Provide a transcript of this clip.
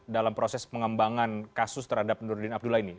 dalam proses pengembangan kasus terhadap nurdin abdullah ini